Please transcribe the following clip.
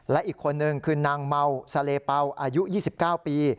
และอีกคนนึงคือนางเมาซาเลเป่าอายุ๒๙ปี